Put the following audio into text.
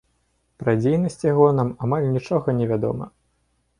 Пра дзейнасць яго нам амаль нічога не вядома.